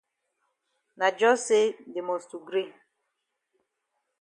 Na jus say dey must to gree.